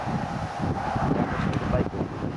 যা পছন্দ তাই করি।